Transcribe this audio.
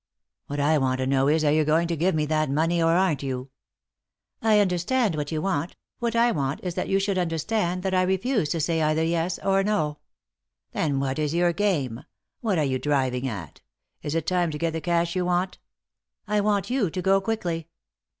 " What I want to know is, are you going to give me that money or aren't you ?"" I understand what you want ; what I want is that 174 ;«y?e.c.V GOOglC THE INTERRUPTED KISS you should understand that I refuse to say either yes or no." " Then what is your game ? What are you driving at ? Is it time to get the cash you want ?"" I want you to go quickly."